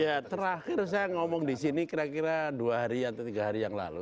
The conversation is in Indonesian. ya terakhir saya ngomong di sini kira kira dua hari atau tiga hari yang lalu